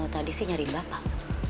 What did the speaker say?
tadi sih nyari mbak pak